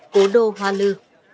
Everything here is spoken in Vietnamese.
cố đô hoa lư